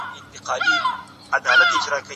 اقتصادي تعاون په ټولنه کي د بېوزلۍ کچه راټیټوي.